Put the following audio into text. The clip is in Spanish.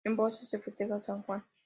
En Voces se festeja San Juan